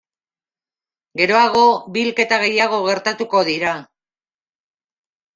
Geroago, bi hilketa gehiago gertatuko dira.